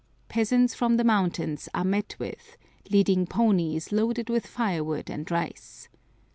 Peasants from the mountains are met with, leading ponies loaded with firewood and rice.